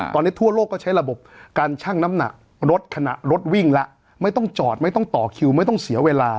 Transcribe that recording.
ตอนนี้ทั่วโลกก็ใช้ระบบการชั่งน้ำหนักรถขณะรถวิ่งแล้วไม่ต้องจอดไม่ต้องต่อคิวไม่ต้องเสียเวลา